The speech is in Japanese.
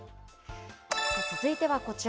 続いてはこちら。